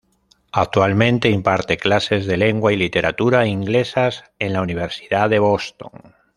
Actualmente imparte clases de lengua y literatura inglesas en la Universidad de Boston.